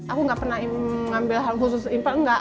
aku nggak pernah mengambil hal khusus infal nggak